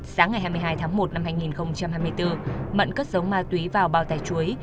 sáng ngày hai mươi hai tháng một năm hai nghìn hai mươi bốn mận cất giấu ma túy vào bao tải chuối